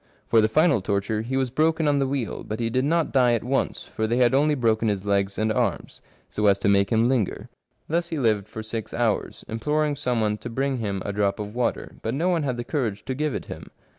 For the final torture he was broken on the wheel, but he did not die at once, for they had only broken his legs and arms, so as to make him linger. Thus he lived for six hours, imploring some one to bring him a drop of water, but no one had the courage to give it him.